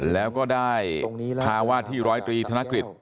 แล้วก็ได้ภาวะที่ร้อยตรีธนกฤษ